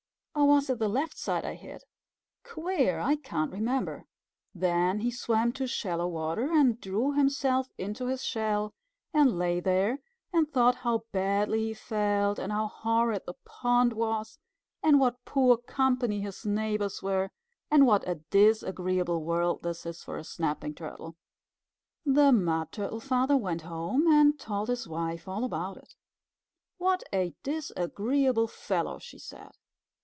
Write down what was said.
Or was it the left side I hit? Queer I can't remember!" Then he swam to shallow water, and drew himself into his shell, and lay there and thought how badly he felt, and how horrid the pond was, and what poor company his neighbors were, and what a disagreeable world this is for Snapping Turtles. The Mud Turtle Father went home and told his wife all about it. "What a disagreeable fellow!" she said.